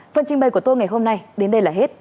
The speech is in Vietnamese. phần trình bày của tôi ngày hôm nay đến đây là hết